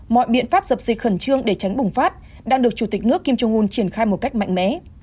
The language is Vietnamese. mọi biện pháp dập dịch khẩn trương để tránh bùng phát đang được chủ tịch nước kim trung un triển khai một cách mạnh mẽ